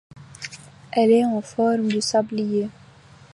Elle est en forme de sablier.